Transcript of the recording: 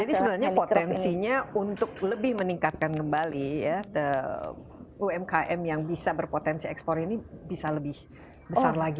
jadi sebenarnya potensinya untuk lebih meningkatkan kembali ya umkm yang bisa berpotensi ekspor ini bisa lebih besar lagi